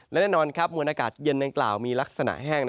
และแน่นอนมัวหน้ากาศเย็นในเกลามีลักษณะแห้ง